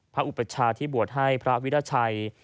อุปชาที่บวชให้พระวิราชัย